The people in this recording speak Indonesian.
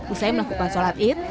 usai melakukan sholat id